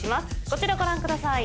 こちらご覧ください。